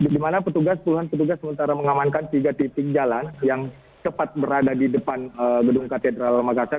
di mana petugas puluhan petugas sementara mengamankan tiga titik jalan yang cepat berada di depan gedung katedral makassar